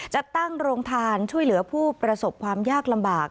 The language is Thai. จะตั้งโรงทานช่วยเหลือผู้ประสบความยากลำบาก